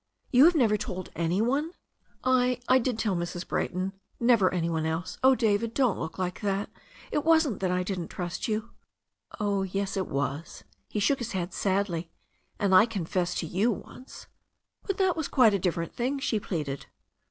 "Have you never told any one?" "I — I did tell Mrs. Brayton — ^never any one else. Oh, David, don't look like that I It wasn't that I didn't trust you." "Oh, yes, it was." He shook his head sadly. "And I con fessed to you once." yHE STORY OF A NEW ZEALAND RIVER 335 "That was quite a different thing," she pleaded.